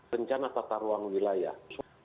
rencana tata ruang wilayah